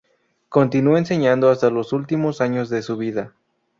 Continuó enseñando hasta los últimos años de su vida.